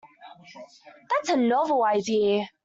That's a novel idea.